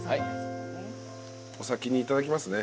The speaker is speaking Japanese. お先にいただきますね。